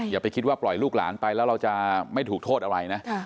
อย่าไปคิดว่าปล่อยลูกหลานไปแล้วเราจะไม่ถูกโทษอะไรนะ